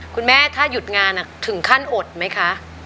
คุณแม่ถ้าหยุดงานถึงขั้นอดไหมคะ